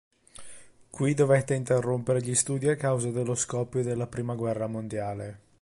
Qui dovette interrompere gli studi a causa dello scoppio della prima guerra mondiale.